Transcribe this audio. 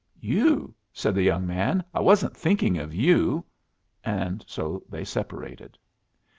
"You!" said the young man. "I wasn't thinking of you." And so they separated.